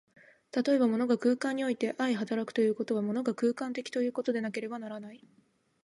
例えば、物が空間において相働くということは、物が空間的ということでなければならない。